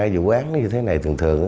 vụ án như thế này thường thường